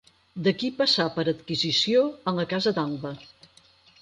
D'aquí passà per adquisició a la casa d'Alba.